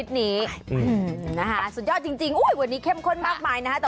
สุดยอดจริงวันนี้เข้มข้นมากมายนะ